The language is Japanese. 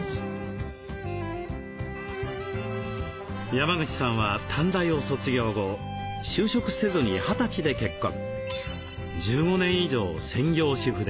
山口さんは短大を卒業後就職せずに二十歳で結婚。